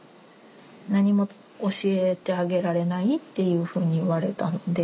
何も教えてあげられないっていうふうに言われたので。